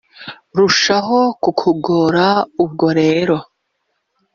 rushaho kukugora ubwo rero